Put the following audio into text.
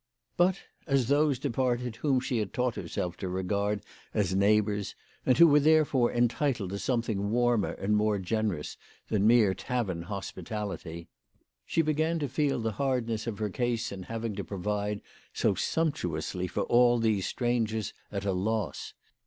But, as those departed whom she had taught herself to regard as neighbours and who were therefore entitled to some thing warmer and more generous than mere tavern 52 WHY FRAU FEOHMANN EAISED HER PRICES. hospitality, she began to feel the hardness of her case in having to provide so sumptuously for all these strangers at a loss.